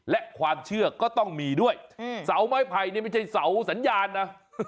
และความเชื่อก็ต้องมีด้วยเสาไม้ไผ่นี่ไม่ใช่เสาสัญญาณนะ